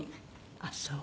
あっそう。